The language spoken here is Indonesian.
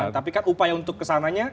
tapi kan upaya untuk kesananya